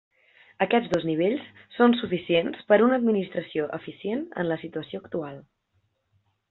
Aquests dos nivells són suficients per a una administració eficient en la situació actual.